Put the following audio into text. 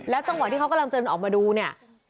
แล้วตอนที่เขากำลังเจอมันออกมาดูเนี่ย